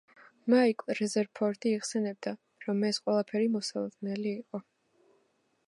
მაიკ რეზერფორდი იხსენებდა, რომ ეს ყველაფერი მოსალოდნელი იყო.